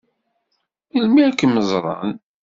Melmi ad kem-ẓṛen?